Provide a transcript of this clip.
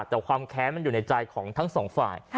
แต่ความแค้นมันอยู่ในใจของทั้งสองฝ่าย